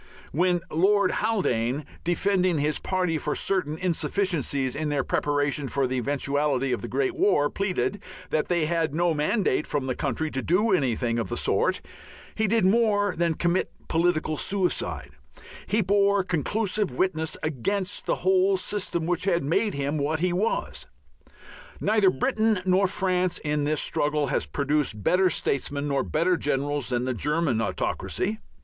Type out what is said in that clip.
When Lord Haldane, defending his party for certain insufficiencies in their preparation for the eventuality of the great war, pleaded that they had no "mandate" from the country to do anything of the sort, he did more than commit political suicide, he bore conclusive witness against the whole system which had made him what he was. Neither Britain nor France in this struggle has produced better statesmen nor better generals than the German autocracy.